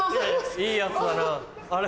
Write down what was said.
いい奴だなあれ？